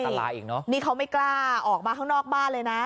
อีกเนอะนี่เขาไม่กล้าออกมาข้างนอกบ้านเลยนะ